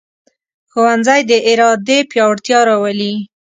ښوونځی د ارادې پیاوړتیا راولي